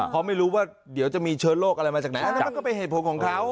เพราะไม่รู้ว่าเดี๋ยวจะมีเชื้อโรคอะไรมาจากไหนอันนั้นมันก็เป็นเหตุผลของเขา